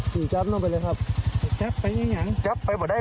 พี่จับน้องไปเลยครับจับไปอย่างงี้จับไปบอกได้